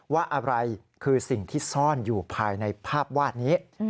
ว่าอะไรคือสิ่งที่ซ่อนอยู่ภายในภาพวาดนี้